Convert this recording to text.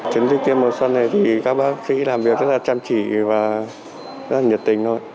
chiến dịch tiêm mùa xuân này thì các bác sĩ làm việc rất là chăm chỉ và rất là nhiệt tình thôi